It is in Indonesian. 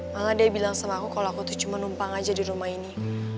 malah dia bilang sama aku kalau aku tuh cuma numpang aja di rumah ini